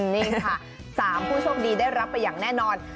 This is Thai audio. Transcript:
นี่ค่ะ๓ผู้โชคดีได้รับไปอย่างแน่นอน